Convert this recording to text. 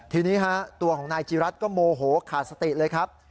ทีนี้ฮะตัวของนายจีรัฐก็โมโหขาดสติเลยครับ